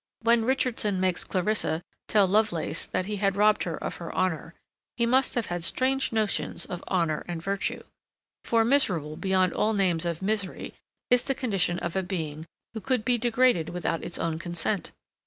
When Richardson makes Clarissa tell Lovelace that he had robbed her of her honour, he must have had strange notions of honour and virtue. For, miserable beyond all names of misery is the condition of a being, who could be degraded without its own consent!